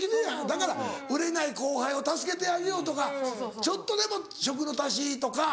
だから売れない後輩を助けてあげようとかちょっとでも食の足しとか。